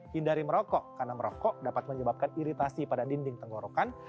hindari merokok karena merokok dapat menyebabkan iritasi pada dinding tenggorokan